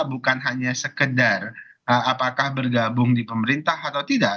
bukan hanya sekedar apakah bergabung di pemerintah atau tidak